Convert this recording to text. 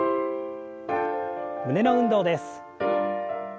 胸の運動です。